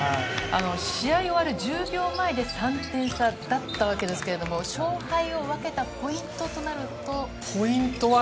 試合終わる１０秒前に３点差だったわけですけれど、勝敗を分けたポイントとなると？